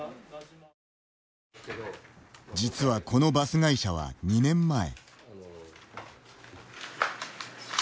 実はこのバス会社は、２年前。